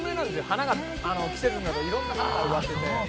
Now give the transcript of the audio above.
「花が季節になると色んな花が植わってて」